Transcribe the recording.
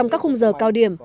các khung giờ cao điểm